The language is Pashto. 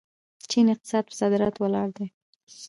د چین اقتصاد په صادراتو ولاړ دی.